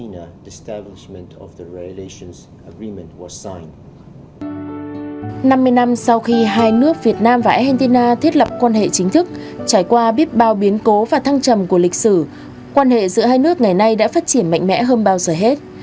năm mươi năm sau khi hai nước việt nam và argentina thiết lập quan hệ chính thức trải qua biết bao biến cố và thăng trầm của lịch sử quan hệ giữa hai nước ngày nay đã phát triển mạnh mẽ hơn bao giờ hết